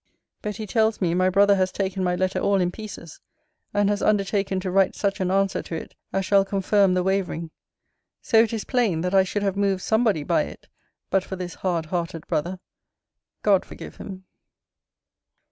Betty tells me, my brother has taken my letter all in pieces; and has undertaken to write such an answer to it, as shall confirm the wavering. So, it is plain, that I should have moved somebody by it, but for this hard hearted brother God forgive him!